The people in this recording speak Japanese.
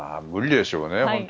無理でしょうね。